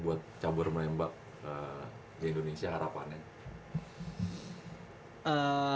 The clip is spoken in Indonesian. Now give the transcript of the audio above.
buat cabur menembak di indonesia harapannya